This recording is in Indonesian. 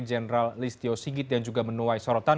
jenderal listio sigit yang juga menuai sorotan